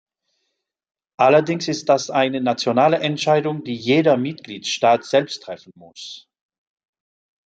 Allerdings ist das eine nationale Entscheidung, die jeder Mitgliedstaat selbst treffen muss.